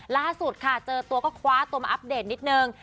ล่าสุดค่ะเจอตัวก็คว้าตัวมาอัปเดตนิดนึง